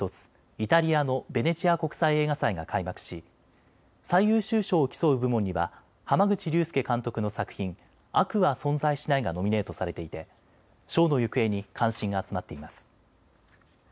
イタリアのベネチア国際映画祭が開幕し最優秀賞を競う部門には濱口竜介監督の作品、悪は存在しないがノミネートされていて賞の行方に関心が集まっています。